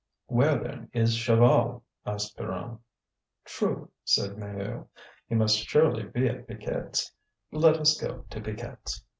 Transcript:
"Where, then, is Chaval?" asked Pierron. "True!" said Maheu. "He must surely be at Piquette's. Let us go to Piquette's."